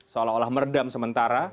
seolah olah meredam sementara